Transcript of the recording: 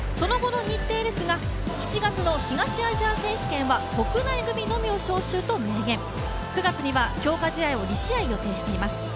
その後の日程ですが７月の東アジア選手権は国内組のみを招集、９月には強化試合を２試合予定しています。